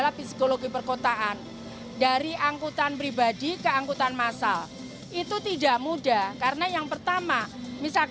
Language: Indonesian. lalu ini langsung di atas bus